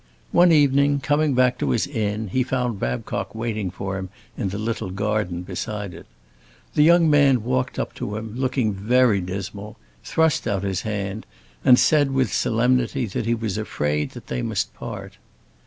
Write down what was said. One evening, coming back to his inn, he found Babcock waiting for him in the little garden beside it. The young man walked up to him, looking very dismal, thrust out his hand, and said with solemnity that he was afraid they must part.